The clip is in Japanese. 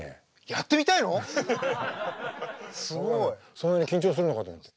そんなに緊張するのかと思って。